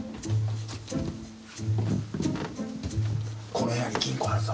この部屋に金庫があるぞ。